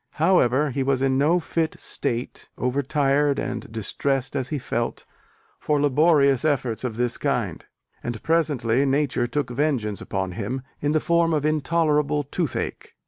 However, he was in no fit state, over tired and distressed as he felt, for laborious efforts of this kind: and presently Nature took vengeance upon him in the form of intolerable toothache.